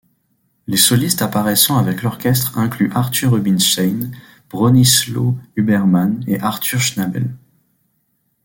Les solistes apparaissant avec l'orchestre incluent Arthur Rubinstein, Bronisław Huberman et Artur Schnabel.